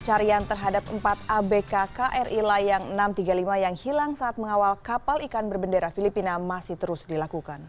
pencarian terhadap empat abk kri layang enam ratus tiga puluh lima yang hilang saat mengawal kapal ikan berbendera filipina masih terus dilakukan